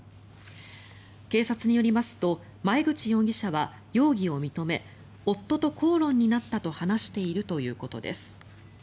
警察によりますと、前口容疑者は容疑を認め夫と口論になったと話しているということです。